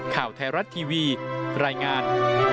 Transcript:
ข่าวไทยรัฐทีวีรายงาน